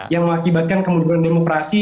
yang mengakibatkan kemuduran demokrasi